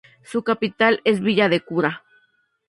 Su capital es Villa de Cura.